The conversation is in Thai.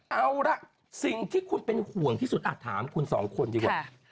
เอาล่ะสิ่งที่คุณเป็นห่วงที่สุดถามคุณสองคนดีกว่า